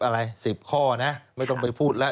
อะไร๑๐ข้อนะไม่ต้องไปพูดแล้ว